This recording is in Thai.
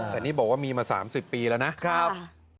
แต่นี่บอกว่ามีมา๓๐ปีแล้วนะครับ